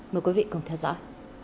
mời quý vị cùng theo dõi